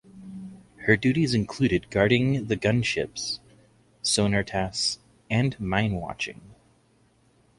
Her duties included guarding the gun ships, sonar tasks and mine watching.